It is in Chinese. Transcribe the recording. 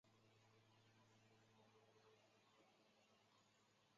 李凯茵就读佛教黄允畋中学。